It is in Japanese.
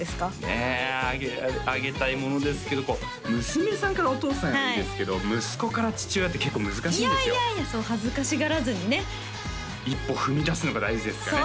ねえあげたいものですけどこう娘さんからお父さんへはいいですけど息子から父親って結構難しいんですよいやいやいやそう恥ずかしがらずにね一歩踏み出すのが大事ですかね